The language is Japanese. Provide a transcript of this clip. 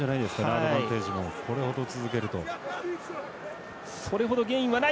アドバンテージもこれほど続けると。